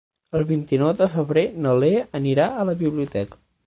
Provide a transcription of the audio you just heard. El vint-i-nou de febrer na Lea anirà a la biblioteca.